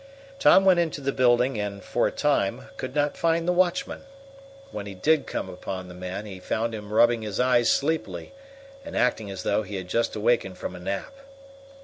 Tom went into the building, and, for a time, could not find the watchman. When he did come upon the man, he found him rubbing his eyes sleepily, and acting as though he had just awakened from a nap.